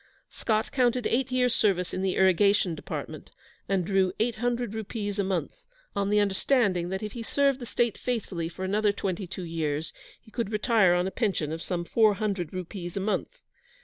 Scott counted eight years' service in the Irrigation Department, and drew eight hundred rupees a month, on the understanding that if he served the State faithfully for another twenty two years he could retire on a pension of some four hundred rupees a month.